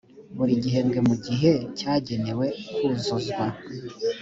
buri gihembwe mu gihe cyagenewe kuzuzwa